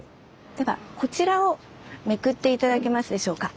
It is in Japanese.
ではこちらをめくって頂けますでしょうか。